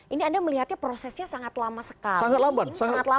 ini anda melihatnya prosesnya sangat lama sekali